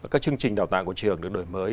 các chương trình đào tạo của trường được đổi mới